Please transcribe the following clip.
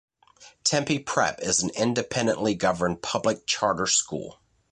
Tempe Prep is an independently-governed public charter school.